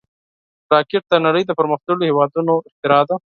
راکټ د نړۍ د پرمختللو هېوادونو اختراع ده